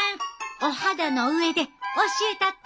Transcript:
お肌の上で教えたって！